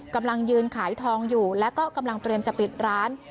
กำลังยืนขายทองอยู่แล้วก็กำลังเตรียมจะปิดร้าน